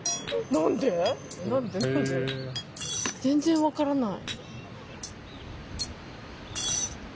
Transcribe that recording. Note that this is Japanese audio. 全然分からない。